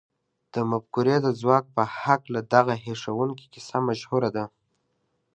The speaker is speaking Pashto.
د مفکورې د ځواک په هکله دغه هيښوونکې کيسه مشهوره ده.